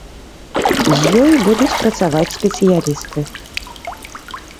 З ёй будуць працаваць спецыялісты.